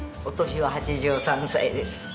お年は８３歳です。